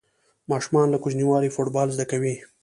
ماشومان له کوچنیوالي فوټبال زده کوي.